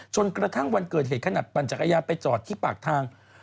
จนกระทั่งวันเกิดเหตุขนาดปั่นจักรยานไปจอดที่ปากทาง